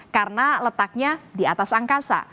karena letaknya di atas angkasa